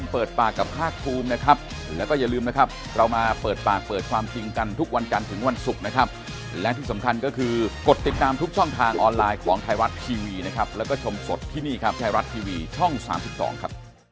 เป็นนายกยิ่งดีใช่ไหมยิ่งดีครับ